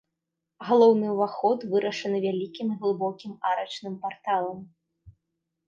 Галоўны ўваход вырашаны вялікім і глыбокім арачным парталам.